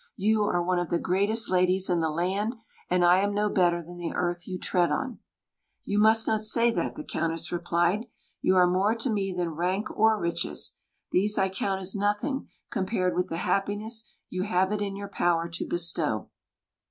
You are one of the greatest ladies in the land, and I am no better than the earth you tread on." "You must not say that," the Countess replied. "You are more to me than rank or riches. These I count as nothing, compared with the happiness you have it in your power to bestow."